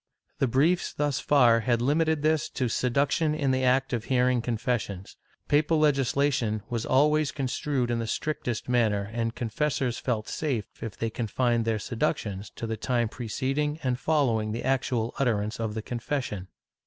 The briefs thus far had limited this to seduction in the act of hearing confessions. Papal legislation was always construed in the strict est manner, and confessors felt safe if they confined their seductions to the time preceding and following the actual utterance of the confession.